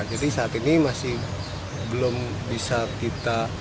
jadi saat ini masih belum bisa kita